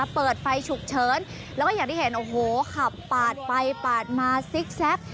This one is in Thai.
เปิดไฟฉุกเฉินแล้วก็อย่างที่เห็นโอ้โหขับปาดไปปาดมาซิกแซ่บ